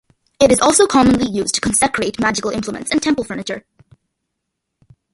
It is also commonly used to consecrate magical implements and temple furniture.